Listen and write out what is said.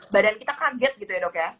badan kita kaget gitu ya dok ya